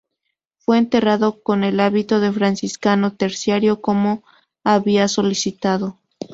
Fue enterrado con el hábito de franciscano terciario, como había solicitado.